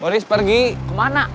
boris pergi kemana